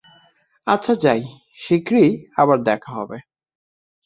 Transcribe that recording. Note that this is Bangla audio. আচ্ছা যাই, শীঘ্রই হয়ত আবার দেখা হবে।